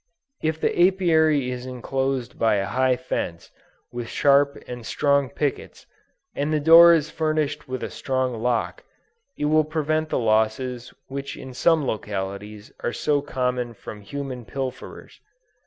If the Apiary is enclosed by a high fence, with sharp and strong pickets, and the door is furnished with a strong lock, it will prevent the losses which in some localities are so common from human pilferers.